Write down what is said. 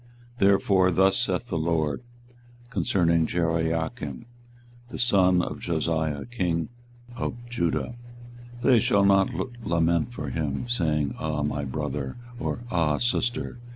24:022:018 Therefore thus saith the LORD concerning Jehoiakim the son of Josiah king of Judah; They shall not lament for him, saying, Ah my brother! or, Ah sister!